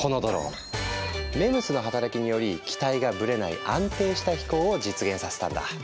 ＭＥＭＳの働きにより機体がブレない安定した飛行を実現させたんだ。